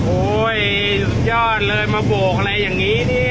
โอ้ยสุดยอดเลยมาโบกอะไรอย่างนี้นี่